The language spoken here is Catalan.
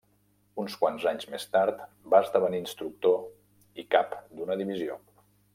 Uns quants anys més tard va esdevenir instructor i cap d'una divisió.